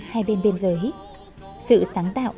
hai bên biên giới sự sáng tạo